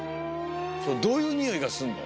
どういうにおいがするの？